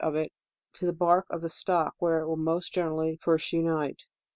21t of it to the bark of the stock, where it will most generally first unite.